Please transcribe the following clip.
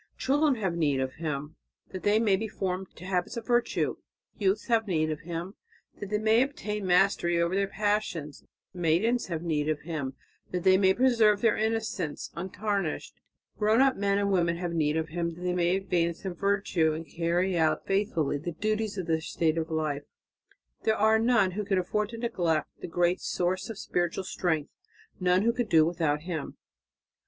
Children have need of Him that they may be formed to habits of virtue; youths have need of Him that they may obtain mastery over their passions; maidens have need of Him that they may preserve their innocence untarnished; grown up men and women have need of Him that they may advance in virtue and carry out faithfully the duties of their state of life; there are none who can afford to neglect the great source of spiritual strength, none who can do without Him."